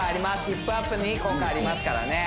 ヒップアップにいい効果ありますからね